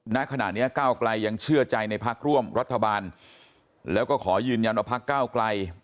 ณขณะนี้ก้าวไกลยังเชื่อใจในพักร่วมรัฐบาลแล้วก็ขอยืนยันว่าพักก้าวไกล